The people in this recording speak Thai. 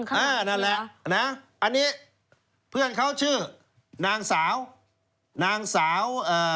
นั่นนอนแหละอันนี้เพื่อนเขาชื่อนางสาวหน้าสาว